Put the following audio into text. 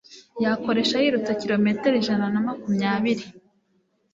yakoresha yirutse kirometero ijana namakumyabiri